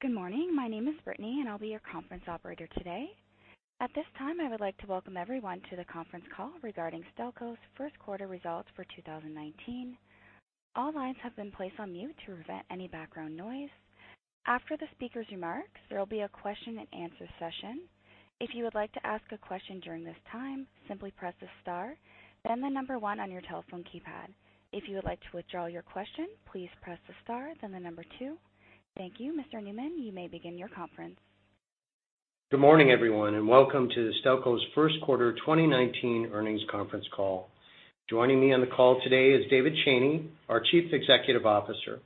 Good morning. My name is Brittany, and I'll be your conference operator today. At this time, I would like to welcome everyone to the conference call regarding Stelco's first quarter results for 2019. All lines have been placed on mute to prevent any background noise. After the speaker's remarks, there will be a question and answer session. If you would like to ask a question during this time, simply press the star, then the number one on your telephone keypad. If you would like to withdraw your question, please press the star, then the number two. Thank you. Mr. Newman, you may begin your conference. Good morning, everyone, and welcome to Stelco's first quarter 2019 earnings conference call. Joining me on the call today is David Cheney, our Chief Executive Officer.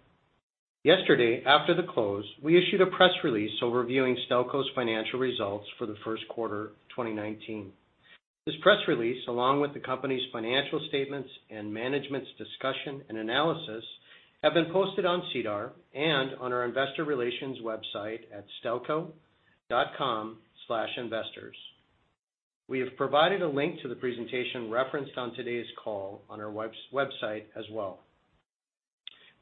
Yesterday, after the close, we issued a press release overviewing Stelco's financial results for the first quarter 2019. This press release, along with the company's financial statements and management's discussion and analysis, have been posted on SEDAR and on our investor relations website at stelco.com/investors. We have provided a link to the presentation referenced on today's call on our website as well.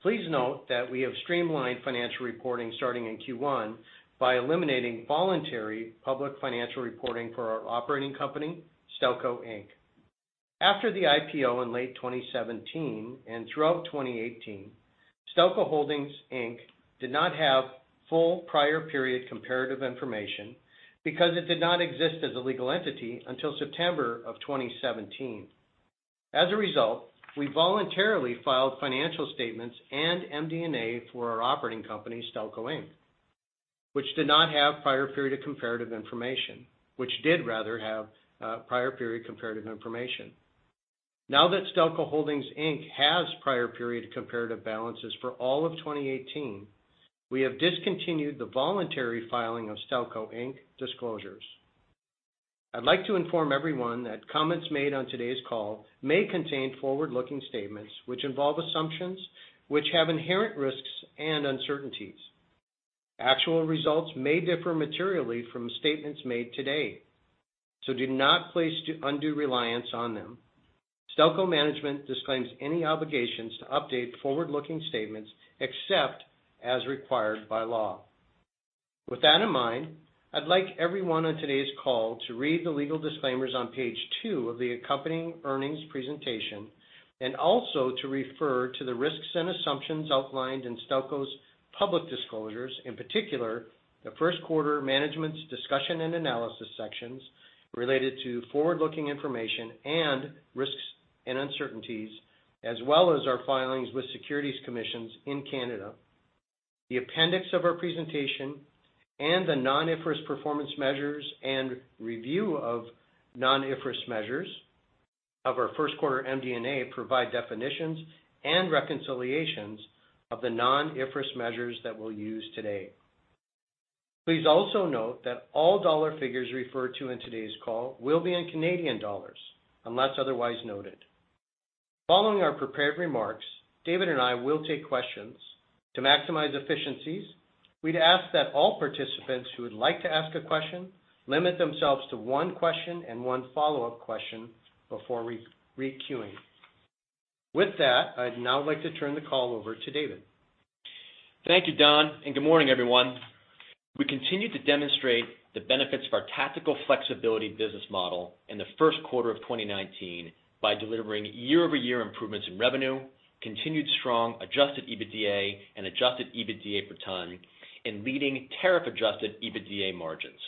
Please note that we have streamlined financial reporting starting in Q1 by eliminating voluntary public financial reporting for our operating company, Stelco Inc. After the IPO in late 2017 and throughout 2018, Stelco Holdings Inc. did not have full prior period comparative information because it did not exist as a legal entity until September of 2017. We voluntarily filed financial statements and MD&A for our operating company, Stelco Inc., which did rather have prior period comparative information. Now that Stelco Holdings Inc. has prior period comparative balances for all of 2018, we have discontinued the voluntary filing of Stelco Inc. disclosures. I'd like to inform everyone that comments made on today's call may contain forward-looking statements which involve assumptions which have inherent risks and uncertainties. Actual results may differ materially from statements made today, so do not place undue reliance on them. Stelco management disclaims any obligations to update forward-looking statements except as required by law. With that in mind, I'd like everyone on today's call to read the legal disclaimers on page two of the accompanying earnings presentation and also to refer to the risks and assumptions outlined in Stelco's public disclosures, in particular, the first quarter management's discussion and analysis sections related to forward-looking information and risks and uncertainties, as well as our filings with securities commissions in Canada. The appendix of our presentation and the non-IFRS performance measures and review of non-IFRS measures of our first quarter MD&A provide definitions and reconciliations of the non-IFRS measures that we'll use today. Please also note that all dollar figures referred to in today's call will be in Canadian dollars unless otherwise noted. Following our prepared remarks, David and I will take questions. To maximize efficiencies, we'd ask that all participants who would like to ask a question limit themselves to one question and one follow-up question before re-queuing. With that, I'd now like to turn the call over to David. Thank you, Don, and good morning everyone. We continue to demonstrate the benefits of our tactical flexibility business model in the first quarter of 2019 by delivering year-over-year improvements in revenue, continued strong adjusted EBITDA and adjusted EBITDA per ton, and leading tariff-adjusted EBITDA margins.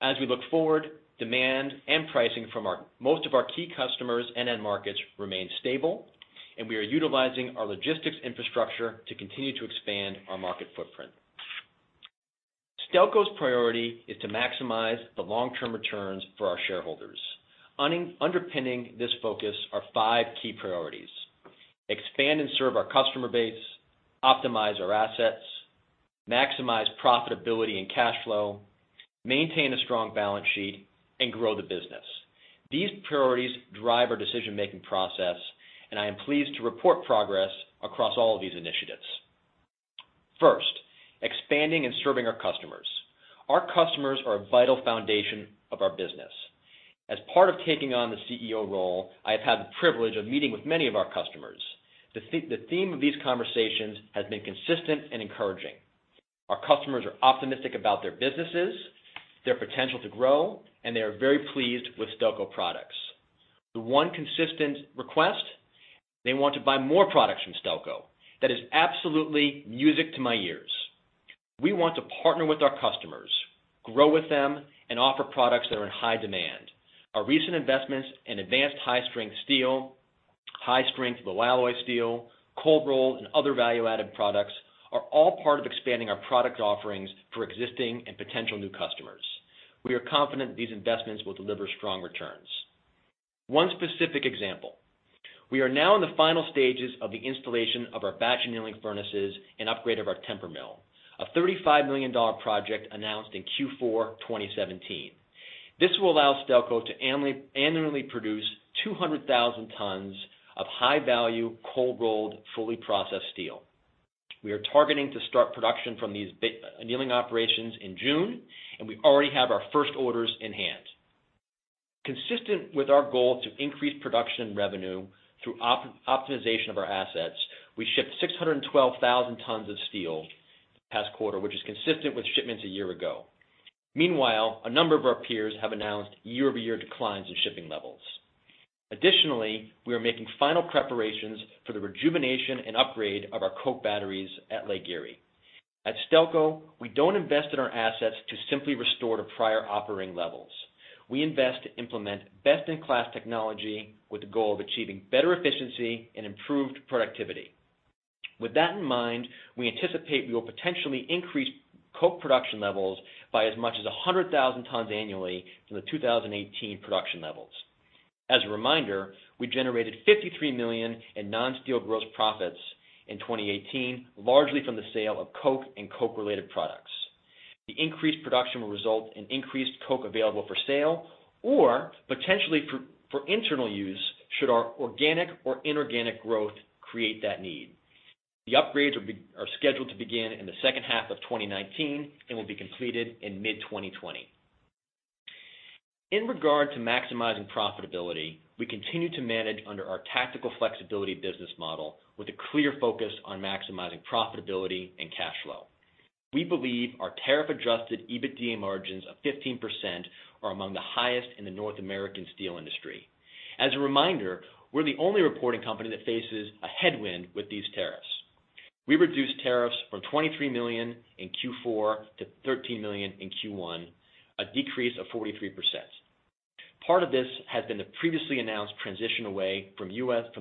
As we look forward, demand and pricing from most of our key customers and end markets remain stable, and we are utilizing our logistics infrastructure to continue to expand our market footprint. Stelco's priority is to maximize the long-term returns for our shareholders. Underpinning this focus are five key priorities: expand and serve our customer base, optimize our assets, maximize profitability and cash flow, maintain a strong balance sheet, and grow the business. These priorities drive our decision-making process. I am pleased to report progress across all of these initiatives. First, expanding and serving our customers. Our customers are a vital foundation of our business. As part of taking on the CEO role, I have had the privilege of meeting with many of our customers. The theme of these conversations has been consistent and encouraging. Our customers are optimistic about their businesses, their potential to grow, and they are very pleased with Stelco products. The one consistent request, they want to buy more products from Stelco. That is absolutely music to my ears. We want to partner with our customers, grow with them, and offer products that are in high demand. Our recent investments in advanced high-strength steel, high-strength low-alloy steel, cold-rolled, and other value-added products are all part of expanding our product offerings for existing and potential new customers. We are confident these investments will deliver strong returns. One specific example. We are now in the final stages of the installation of our batch annealing furnaces and upgrade of our temper mill, a 35 million dollar project announced in Q4 2017. This will allow Stelco to annually produce 200,000 tons of high-value cold-rolled, fully processed steel. We are targeting to start production from these annealing operations in June, and we already have our first orders in hand. Consistent with our goal to increase production revenue through optimization of our assets, we shipped 612,000 tons of steel this past quarter, which is consistent with shipments a year ago. Meanwhile, a number of our peers have announced year-over-year declines in shipping levels. Additionally, we are making final preparations for the rejuvenation and upgrade of our coke batteries at Lake Erie. At Stelco, we don't invest in our assets to simply restore to prior operating levels. We invest to implement best-in-class technology with the goal of achieving better efficiency and improved productivity. With that in mind, we anticipate we will potentially increase coke production levels by as much as 100,000 tons annually from the 2018 production levels. As a reminder, we generated 53 million in non-steel gross profits in 2018, largely from the sale of coke and coke-related products. The increased production will result in increased coke available for sale or potentially for internal use should our organic or inorganic growth create that need. The upgrades are scheduled to begin in the second half of 2019 and will be completed in mid-2020. In regard to maximizing profitability, we continue to manage under our tactical flexibility business model with a clear focus on maximizing profitability and cash flow. We believe our tariff-adjusted EBITDA margins of 15% are among the highest in the North American steel industry. As a reminder, we're the only reporting company that faces a headwind with these tariffs. We reduced tariffs from 23 million in Q4 to 13 million in Q1, a decrease of 43%. Part of this has been the previously announced transition away from the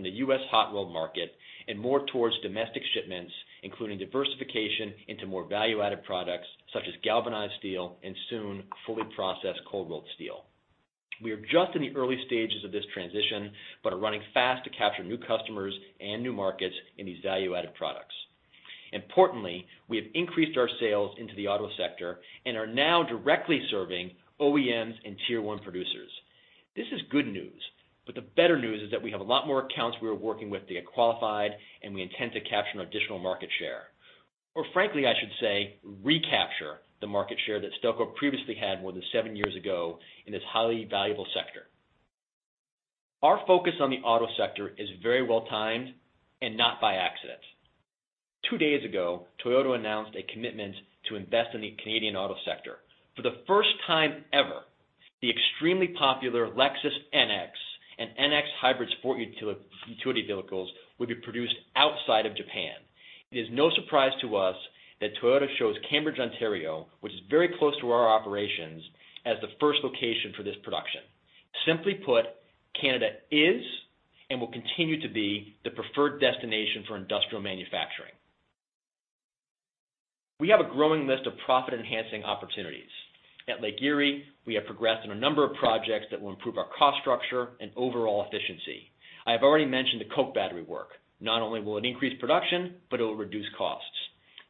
U.S. hot-rolled market and more towards domestic shipments, including diversification into more value-added products such as galvanized steel and soon, fully processed cold-rolled steel. We are just in the early stages of this transition but are running fast to capture new customers and new markets in these value-added products. Importantly, we have increased our sales into the auto sector and are now directly serving OEMs and Tier 1 producers. This is good news, but the better news is that we have a lot more accounts we are working with to get qualified, and we intend to capture additional market share. Or frankly, I should say, recapture the market share that Stelco previously had more than seven years ago in this highly valuable sector. Our focus on the auto sector is very well-timed and not by accident. Two days ago, Toyota announced a commitment to invest in the Canadian auto sector. For the first time ever, the extremely popular Lexus NX and NX hybrid sport utility vehicles will be produced outside of Japan. It is no surprise to us that Toyota chose Cambridge, Ontario, which is very close to our operations, as the first location for this production. Simply put, Canada is and will continue to be the preferred destination for industrial manufacturing. We have a growing list of profit-enhancing opportunities. At Lake Erie, we have progressed on a number of projects that will improve our cost structure and overall efficiency. I have already mentioned the coke battery work. Not only will it increase production, but it will reduce costs.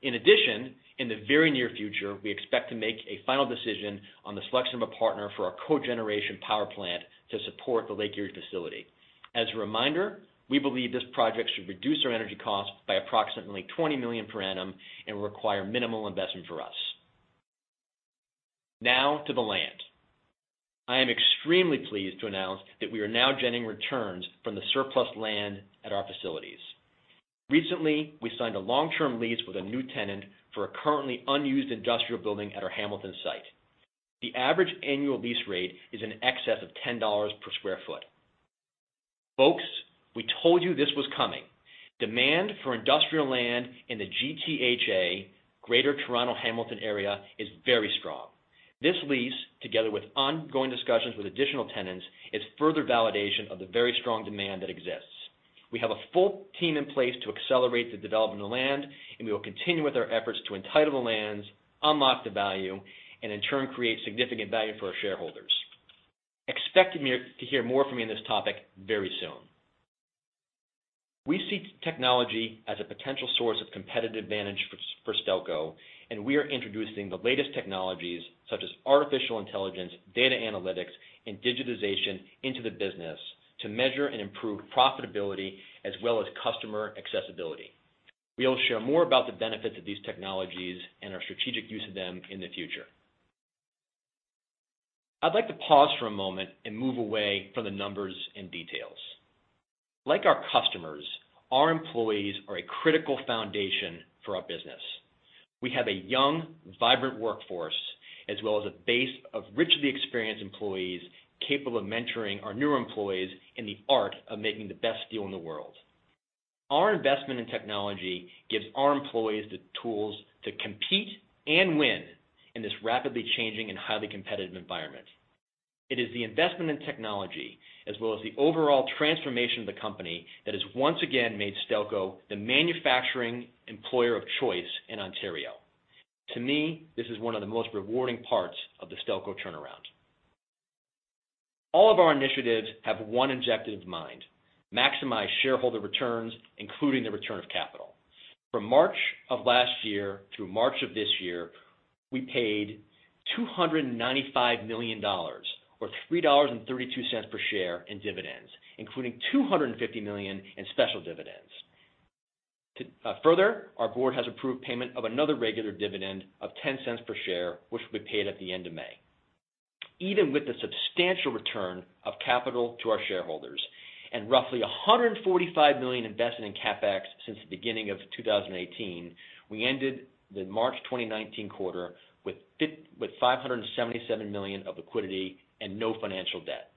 In addition, in the very near future, we expect to make a final decision on the selection of a partner for our cogeneration power plant to support the Lake Erie facility. As a reminder, we believe this project should reduce our energy cost by approximately 20 million per annum and require minimal investment for us. Now to the land. I am extremely pleased to announce that we are now generating returns from the surplus land at our facilities. Recently, we signed a long-term lease with a new tenant for a currently unused industrial building at our Hamilton site. The average annual lease rate is in excess of 10 dollars/sq ft Folks, we told you this was coming. Demand for industrial land in the GTHA, Greater Toronto Hamilton Area, is very strong. This lease, together with ongoing discussions with additional tenants, is further validation of the very strong demand that exists. We have a full team in place to accelerate the development of the land, and we will continue with our efforts to entitle the lands, unlock the value, and in turn, create significant value for our shareholders. Expect to hear more from me on this topic very soon. We see technology as a potential source of competitive advantage for Stelco, and we are introducing the latest technologies such as artificial intelligence, data analytics, and digitization into the business to measure and improve profitability as well as customer accessibility. We'll share more about the benefits of these technologies and our strategic use of them in the future. I'd like to pause for a moment and move away from the numbers and details. Like our customers, our employees are a critical foundation for our business. We have a young, vibrant workforce, as well as a base of richly experienced employees capable of mentoring our newer employees in the art of making the best steel in the world. Our investment in technology gives our employees the tools to compete and win in this rapidly changing and highly competitive environment. It is the investment in technology as well as the overall transformation of the company that has once again made Stelco the manufacturing employer of choice in Ontario. To me, this is one of the most rewarding parts of the Stelco turnaround. All of our initiatives have one objective in mind: maximize shareholder returns, including the return of capital. From March of last year through March of this year, we paid 295 million dollars, or 3.32 dollars per share in dividends, including 250 million in special dividends. Further, our board has approved payment of another regular dividend of 0.10 per share, which will be paid at the end of May. Even with the substantial return of capital to our shareholders and roughly 145 million invested in CapEx since the beginning of 2018, we ended the March 2019 quarter with 577 million of liquidity and no financial debt.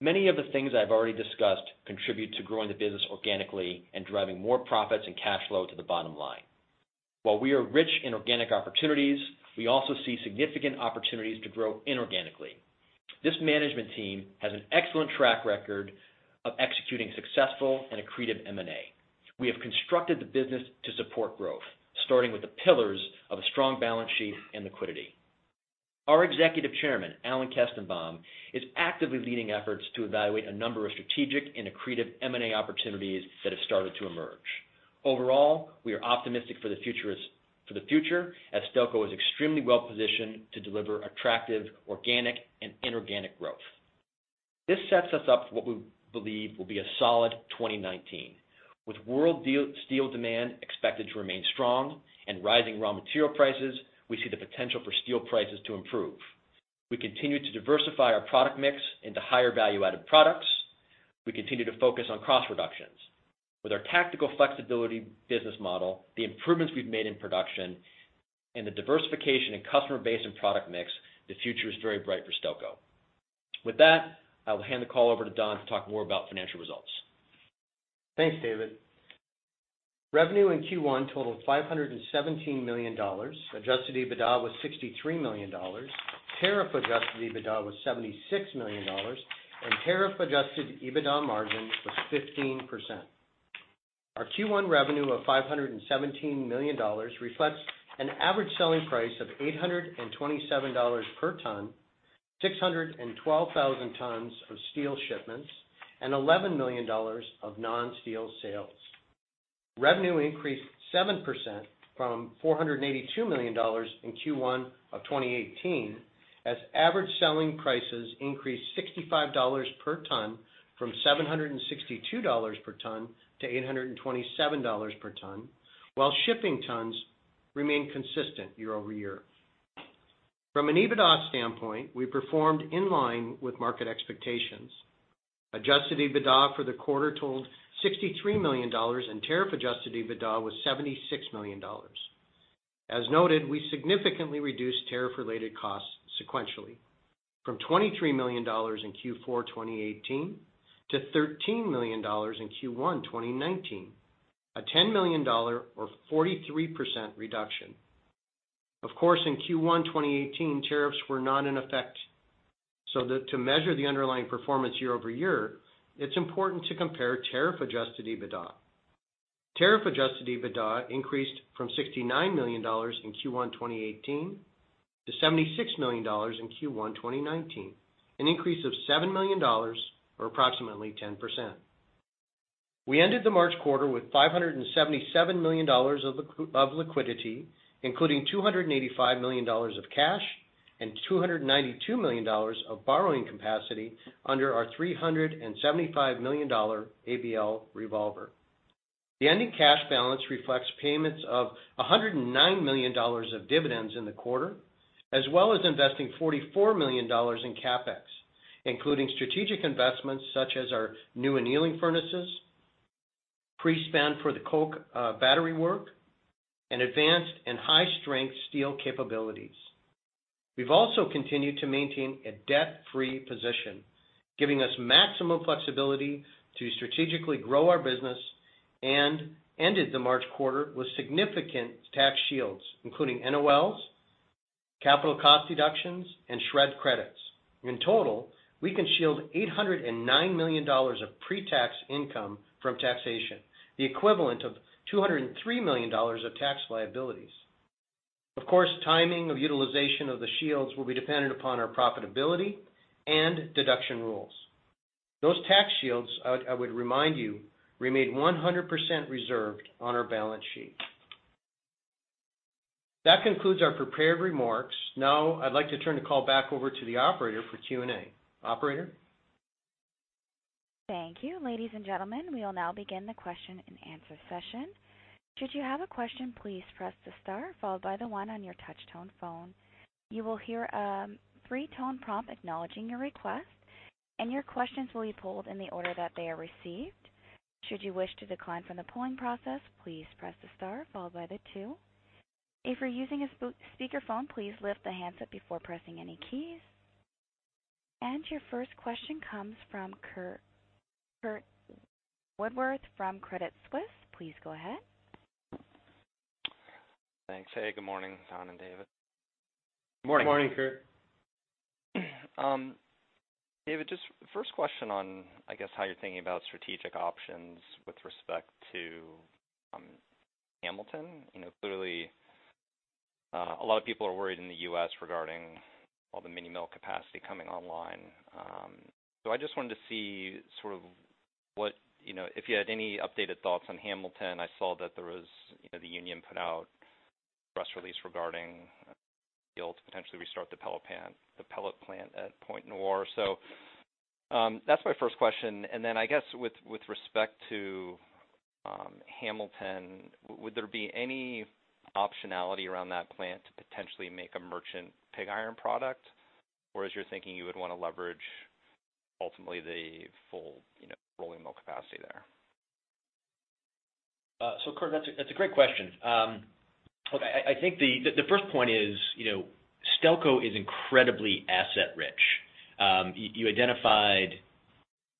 Many of the things I've already discussed contribute to growing the business organically and driving more profits and cash flow to the bottom line. While we are rich in organic opportunities, we also see significant opportunities to grow inorganically. This management team has an excellent track record of executing successful and accretive M&A. We have constructed the business to support growth, starting with the pillars of a strong balance sheet and liquidity. Our Executive Chairman, Alan Kestenbaum, is actively leading efforts to evaluate a number of strategic and accretive M&A opportunities that have started to emerge. Overall, we are optimistic for the future, as Stelco is extremely well-positioned to deliver attractive organic and inorganic growth. This sets us up for what we believe will be a solid 2019. With world steel demand expected to remain strong and rising raw material prices, we see the potential for steel prices to improve. We continue to diversify our product mix into higher value-added products. We continue to focus on cost reductions. With our tactical flexibility business model, the improvements we've made in production, and the diversification in customer base and product mix, the future is very bright for Stelco. With that, I will hand the call over to Don to talk more about financial results. Thanks, David. Revenue in Q1 totaled 517 million dollars. Adjusted EBITDA was 63 million dollars. Tariff-adjusted EBITDA was 76 million dollars, and tariff-adjusted EBITDA margin was 15%. Our Q1 revenue of 517 million dollars reflects an average selling price of 827 dollars per ton, 612,000 tons of steel shipments, and 11 million dollars of non-steel sales. Revenue increased 7% from 482 million dollars in Q1 2018, as average selling prices increased 65 dollars per ton, from 762 dollars per ton to 827 dollars per ton, while shipping tons remained consistent year-over-year. From an EBITDA standpoint, we performed in line with market expectations. Adjusted EBITDA for the quarter totaled 63 million dollars, and tariff-adjusted EBITDA was 76 million dollars. As noted, we significantly reduced tariff-related costs sequentially, from 23 million dollars in Q4 2018 to 13 million dollars in Q1 2019, a 10 million dollar or 43% reduction. Of course, in Q1 2018, tariffs were not in effect. To measure the underlying performance year-over-year, it's important to compare tariff-adjusted EBITDA. Tariff-adjusted EBITDA increased from 69 million dollars in Q1 2018 to 76 million dollars in Q1 2019, an increase of 7 million dollars or approximately 10%. We ended the March quarter with 577 million dollars of liquidity, including 285 million dollars of cash and 292 million dollars of borrowing capacity under our 375 million dollar ABL revolver. The ending cash balance reflects payments of 109 million dollars of dividends in the quarter, as well as investing 44 million dollars in CapEx, including strategic investments such as our new annealing furnaces, pre-spend for the coke battery work, and advanced high-strength steel capabilities. We've also continued to maintain a debt-free position, giving us maximum flexibility to strategically grow our business, and ended the March quarter with significant tax shields, including NOLs, capital cost deductions, and SR&ED credits. In total, we can shield 809 million dollars of pre-tax income from taxation, the equivalent of 203 million dollars of tax liabilities. Of course, timing of utilization of the shields will be dependent upon our profitability and deduction rules. Those tax shields, I would remind you, remain 100% reserved on our balance sheet. That concludes our prepared remarks. Now I'd like to turn the call back over to the operator for Q&A. Operator? Thank you. Ladies and gentlemen, we will now begin the question and answer session. Should you have a question, please press the star followed by the one on your touch-tone phone. You will hear a three-tone prompt acknowledging your request, and your questions will be pulled in the order that they are received. Should you wish to decline from the pulling process, please press the star followed by the two. If you're using a speakerphone, please lift the handset before pressing any keys. Your first question comes from Curt Woodworth from Credit Suisse. Please go ahead. Thanks. Hey, good morning, Don and David. Morning. Morning, Curt. David, just first question on, I guess, how you're thinking about strategic options with respect to Hamilton. Clearly, a lot of people are worried in the U.S. regarding all the mini mill capacity coming online. I just wanted to see if you had any updated thoughts on Hamilton. I saw that the union put out press release regarding the ability to potentially restart the pellet plant at Pointe-Noire. That's my first question. Then I guess with respect to Hamilton, would there be any optionality around that plant to potentially make a merchant pig iron product? Or is your thinking you would want to leverage ultimately the full rolling mill capacity there? Curt, that's a great question. Look, I think the first point is, Stelco is incredibly asset-rich. You identified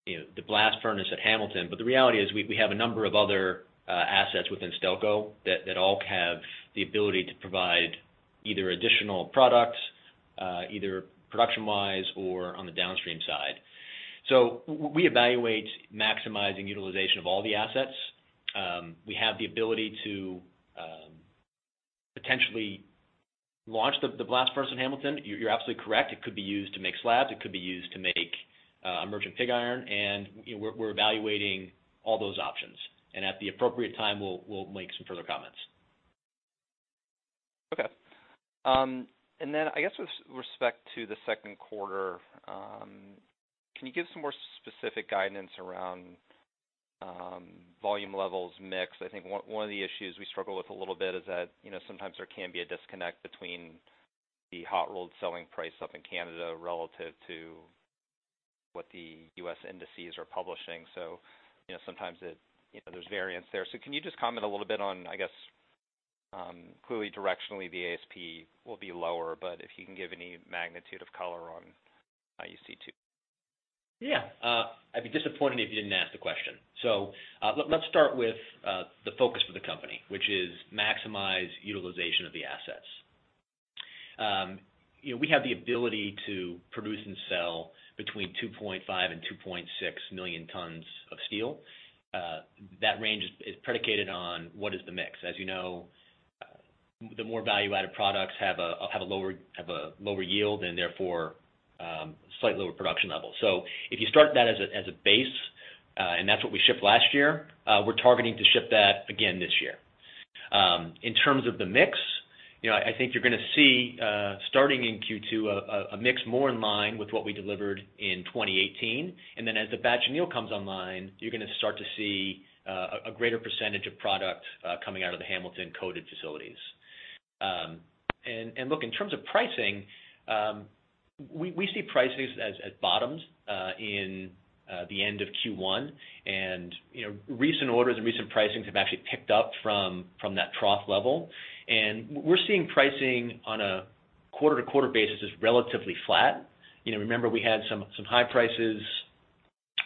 the blast furnace at Hamilton, but the reality is we have a number of other assets within Stelco that all have the ability to provide either additional products, either production-wise or on the downstream side. We evaluate maximizing utilization of all the assets. We have the ability to potentially launch the blast furnace in Hamilton. You're absolutely correct. It could be used to make slabs. It could be used to make merchant pig iron. We're evaluating all those options. At the appropriate time, we'll make some further comments. Okay. Then I guess with respect to the second quarter, can you give some more specific guidance around volume levels mix? I think one of the issues we struggle with a little bit is that sometimes there can be a disconnect between the hot-rolled selling price up in Canada relative to what the U.S. indices are publishing. Sometimes there's variance there. Can you just comment a little bit on, I guess, clearly directionally, the ASP will be lower, but if you can give any magnitude of color on how you see 2Q. Yeah. I'd be disappointed if you didn't ask the question. Let's start with the focus for the company, which is maximize utilization of the assets. We have the ability to produce and sell between 2.5 million and 2.6 million tons of steel. That range is predicated on what is the mix. As you know, the more value-added products have a lower yield and therefore, slightly lower production levels. If you start that as a base, and that's what we shipped last year, we're targeting to ship that again this year. In terms of the mix, I think you're going to see, starting in Q2, a mix more in line with what we delivered in 2018. Then as the Batch Anneal comes online, you're going to start to see a greater percentage of product coming out of the Hamilton coated facilities. Look, in terms of pricing, we see prices as bottoms in the end of Q1. Recent orders and recent pricings have actually picked up from that trough level. We're seeing pricing on a quarter-over-quarter basis as relatively flat. Remember, we had some high prices,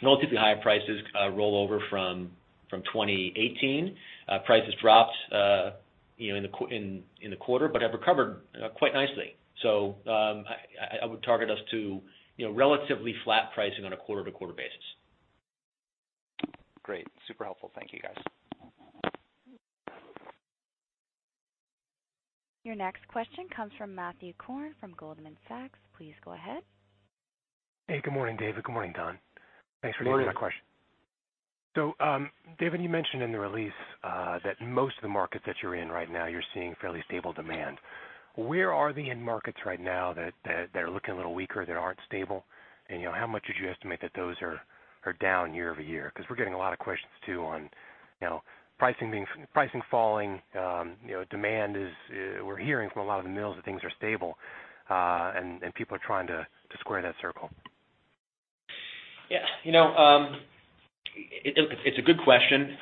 relatively high prices roll over from 2018. Prices dropped in the quarter, but have recovered quite nicely. I would target us to relatively flat pricing on a quarter-over-quarter basis. Great. Super helpful. Thank you, guys. Your next question comes from Matthew Korn from Goldman Sachs. Please go ahead. Hey, good morning, David. Good morning, Don. Thanks for taking my question. Morning. David, you mentioned in the release that most of the markets that you're in right now, you're seeing fairly stable demand. Where are the end markets right now that are looking a little weaker, that aren't stable? How much would you estimate that those are down year-over-year? We're getting a lot of questions, too, on pricing falling, demand. We're hearing from a lot of the mills that things are stable, and people are trying to square that circle. Yeah. It's a good question.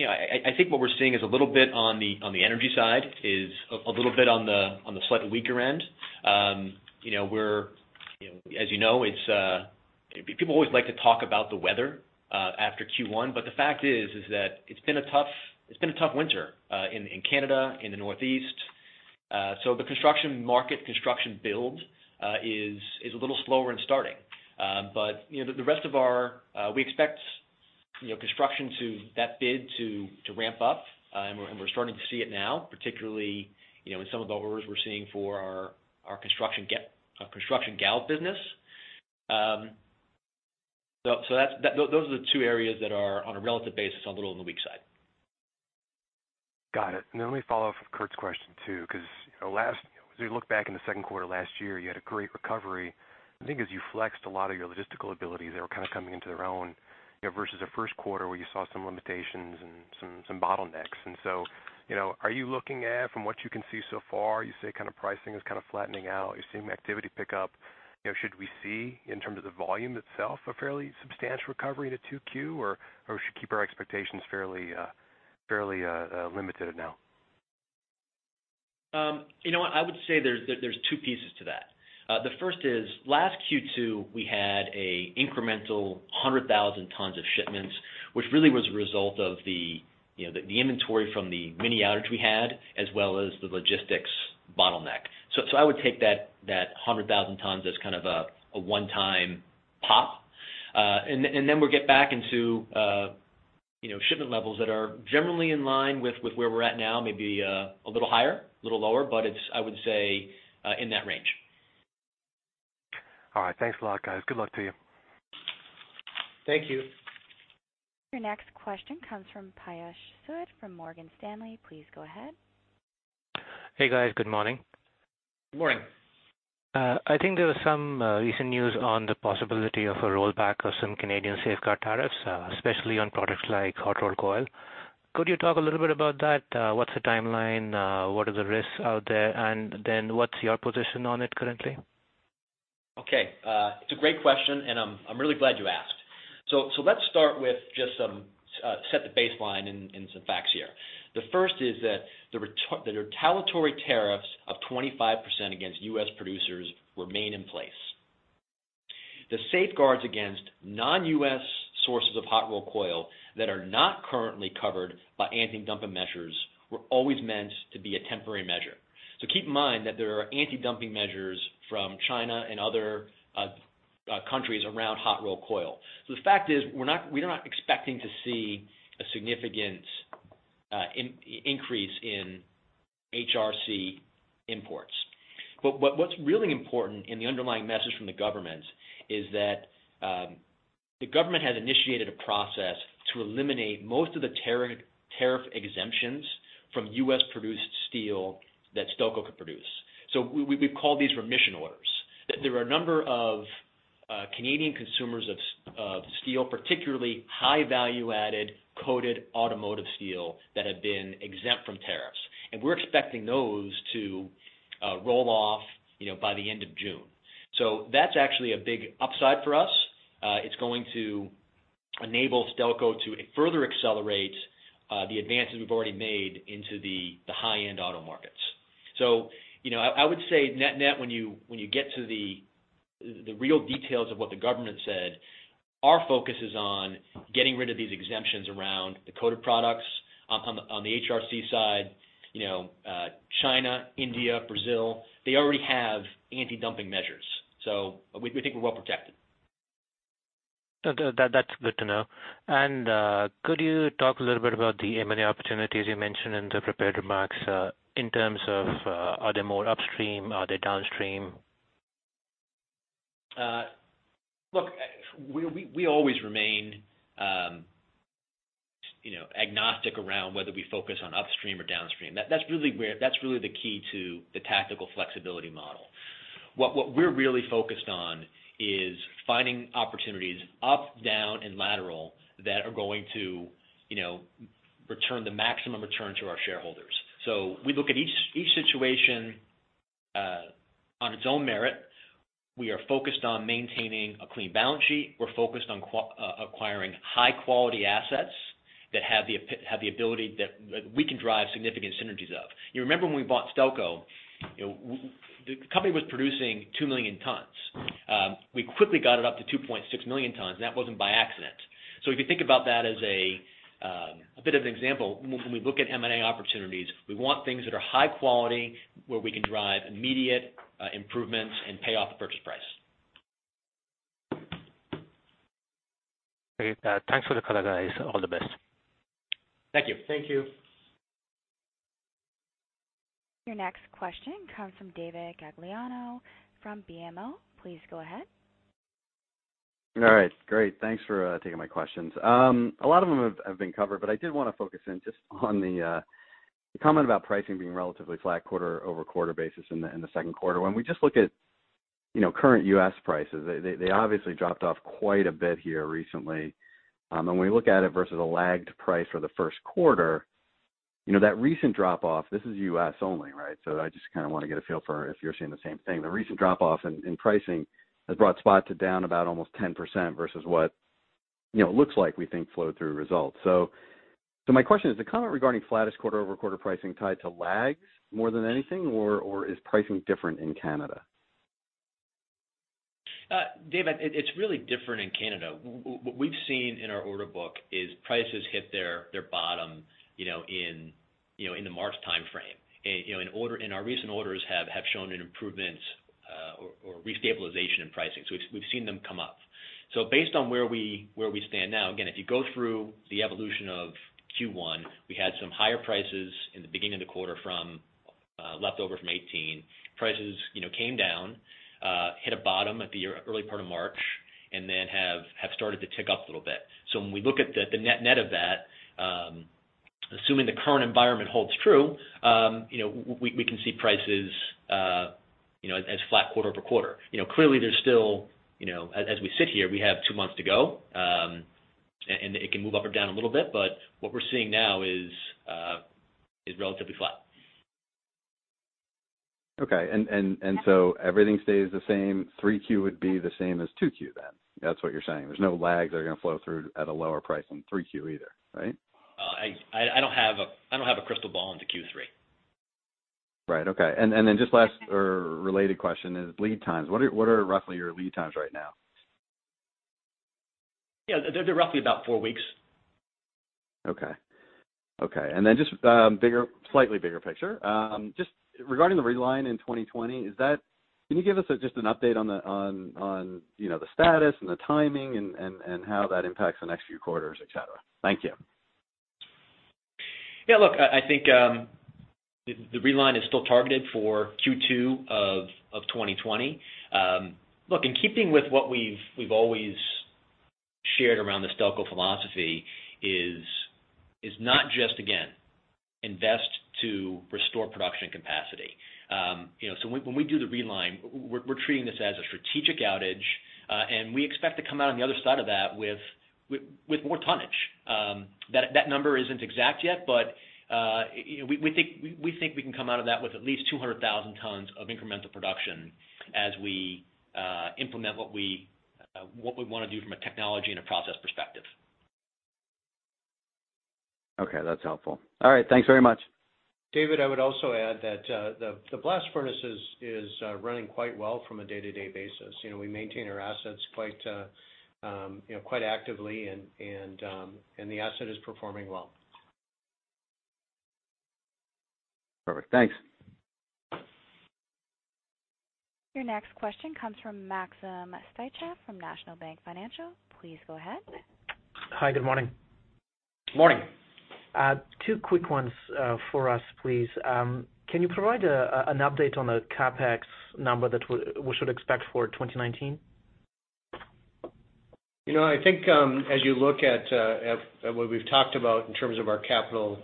I think what we're seeing is a little bit on the energy side is a little bit on the slightly weaker end. People always like to talk about the weather after Q1, the fact is that it's been a tough winter in Canada, in the Northeast. The construction market, construction build is a little slower in starting. We expect construction to that bid to ramp up, and we're starting to see it now, particularly in some of the orders we're seeing for our construction gal business. Those are the two areas that are on a relative basis, a little on the weak side. Got it. Let me follow up with Curt's question, too, because as we look back in the second quarter last year, you had a great recovery, I think as you flexed a lot of your logistical abilities that were kind of coming into their own, versus the first quarter where you saw some limitations and some bottlenecks. Are you looking at, from what you can see so far, you say pricing is flattening out. You're seeing activity pick up. Should we see, in terms of the volume itself, a fairly substantial recovery to 2Q, or we should keep our expectations fairly limited now? You know what? I would say there's two pieces to that. The first is, last Q2, we had a incremental 100,000 tons of shipments, which really was a result of the inventory from the mini outage we had, as well as the logistics bottleneck. I would take that 100,000 tons as kind of a one-time pop. We'll get back into shipment levels that are generally in line with where we're at now, maybe a little higher, a little lower, but it's, I would say, in that range. All right. Thanks a lot, guys. Good luck to you. Thank you. Your next question comes from Piyush Sood from Morgan Stanley. Please go ahead. Hey, guys. Good morning. Good morning. I think there was some recent news on the possibility of a rollback of some Canadian safeguard tariffs, especially on products like hot-rolled coil. Could you talk a little bit about that? What is the timeline? What are the risks out there? What is your position on it currently? Okay. It is a great question, and I am really glad you asked. Let us start with just set the baseline and some facts here. The first is that the retaliatory tariffs of 25% against U.S. producers remain in place. The safeguards against non-U.S. sources of hot-rolled coil that are not currently covered by antidumping measures were always meant to be a temporary measure. Keep in mind that there are antidumping measures from China and other countries around hot-rolled coil. The fact is, we are not expecting to see a significant increase in HRC imports. What is really important, and the underlying message from the government, is that the government has initiated a process to eliminate most of the tariff exemptions from U.S.-produced steel that Stelco could produce. We call these remission orders. There are a number of Canadian consumers of steel, particularly high value-added coated automotive steel, that have been exempt from tariffs, and we are expecting those to roll off by the end of June. That is actually a big upside for us. It is going to enable Stelco to further accelerate the advances we have already made into the high-end auto markets. I would say net-net, when you get to the real details of what the government said, our focus is on getting rid of these exemptions around the coated products. On the HRC side, China, India, Brazil, they already have antidumping measures. We think we are well protected. That is good to know. Could you talk a little bit about the M&A opportunities you mentioned in the prepared remarks in terms of are they more upstream, are they downstream? Look, we always remain agnostic around whether we focus on upstream or downstream. That's really the key to the tactical flexibility model. What we're really focused on is finding opportunities up, down, and lateral that are going to return the maximum return to our shareholders. We look at each situation on its own merit. We are focused on maintaining a clean balance sheet. We're focused on acquiring high-quality assets that have the ability that we can drive significant synergies of. You remember when we bought Stelco, the company was producing 2 million tons. We quickly got it up to 2.6 million tons, and that wasn't by accident. If you think about that as a bit of an example, when we look at M&A opportunities, we want things that are high quality, where we can drive immediate improvements and pay off the purchase price. Great. Thanks for the color, guys. All the best. Thank you. Thank you. Your next question comes from David Gagliano from BMO. Please go ahead. All right, great. Thanks for taking my questions. A lot of them have been covered, but I did want to focus in just on the comment about pricing being relatively flat quarter-over-quarter basis in the second quarter. When we just look at current U.S. prices, they obviously dropped off quite a bit here recently. When we look at it versus a lagged price for the first quarter, that recent drop off, this is U.S. only, right? I just kind of want to get a feel for if you're seeing the same thing. The recent drop off in pricing has brought spots to down about almost 10% versus what it looks like we think flowed through results. My question is, the comment regarding flattest quarter-over-quarter pricing tied to lags more than anything, or is pricing different in Canada? David, it's really different in Canada. What we've seen in our order book is prices hit their bottom in the March timeframe. Our recent orders have shown an improvement or restabilization in pricing. We've seen them come up. Based on where we stand now, again, if you go through the evolution of Q1, we had some higher prices in the beginning of the quarter left over from 2018. Prices came down, hit a bottom at the early part of March, then have started to tick up a little bit. When we look at the net-net of that, assuming the current environment holds true, we can see prices as flat quarter-over-quarter. Clearly, as we sit here, we have two months to go. It can move up or down a little bit, but what we're seeing now is relatively flat. Okay. Everything stays the same, 3Q would be the same as 2Q then. That's what you're saying. There's no lags that are going to flow through at a lower price in 3Q either, right? I don't have a crystal ball into Q3. Then just last or related question is lead times. What are roughly your lead times right now? Yeah. They're roughly about four weeks. Okay. Then just slightly bigger picture. Just regarding the reline in 2020, can you give us just an update on the status and the timing and how that impacts the next few quarters, et cetera? Thank you. Yeah, look, I think the reline is still targeted for Q2 of 2020. In keeping with what we've always shared around the Stelco philosophy is not just, again, invest to restore production capacity. When we do the reline, we're treating this as a strategic outage, and we expect to come out on the other side of that with more tonnage. That number isn't exact yet, but we think we can come out of that with at least 200,000 tons of incremental production as we implement what we want to do from a technology and a process perspective. Okay, that's helpful. All right, thanks very much. David, I would also add that the blast furnace is running quite well from a day-to-day basis. We maintain our assets quite actively, and the asset is performing well. Perfect. Thanks. Your next question comes from Maxim Sytchev from National Bank Financial. Please go ahead. Hi. Good morning. Morning. Two quick ones for us, please. Can you provide an update on the CapEx number that we should expect for 2019? I think as you look at what we've talked about in terms of our capital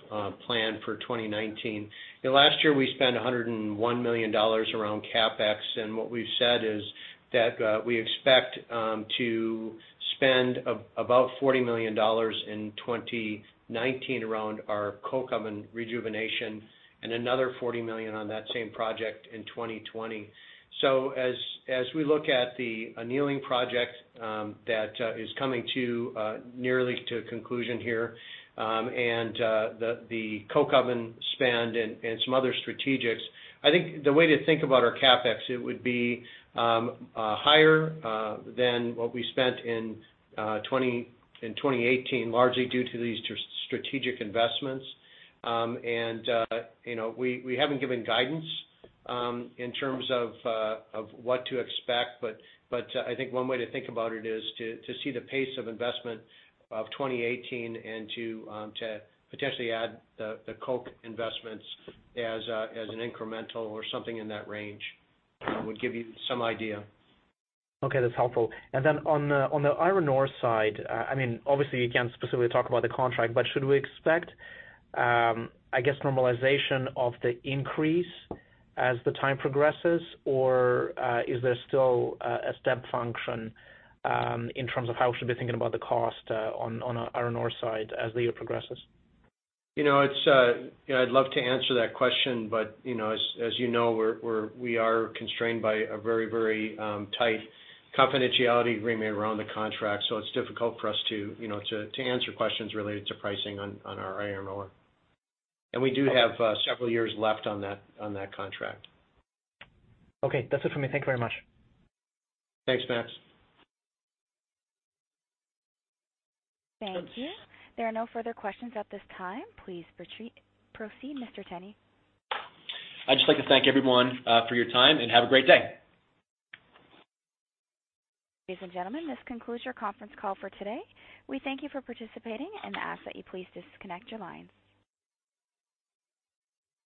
plan for 2019, last year we spent 101 million dollars around CapEx. What we've said is that we expect to spend about 40 million dollars in 2019 around our coke oven rejuvenation and another 40 million on that same project in 2020. As we look at the annealing project that is coming nearly to a conclusion here, and the coke oven spend and some other strategics, I think the way to think about our CapEx, it would be higher than what we spent in 2018, largely due to these strategic investments. We haven't given guidance in terms of what to expect, but I think one way to think about it is to see the pace of investment of 2018 and to potentially add the coke investments as an incremental or something in that range would give you some idea. Okay. That's helpful. On the iron ore side, obviously you can't specifically talk about the contract, but should we expect, I guess, normalization of the increase as the time progresses, or is there still a step function in terms of how we should be thinking about the cost on our iron ore side as the year progresses? I'd love to answer that question, but as you know, we are constrained by a very tight confidentiality agreement around the contract, so it's difficult for us to answer questions related to pricing on our iron ore. We do have several years left on that contract. Okay. That's it for me. Thank you very much. Thanks, Max. Thank you. There are no further questions at this time. Please proceed, Mr. Cheney. I'd just like to thank everyone for your time, and have a great day. Ladies and gentlemen, this concludes your conference call for today. We thank you for participating and ask that you please disconnect your lines.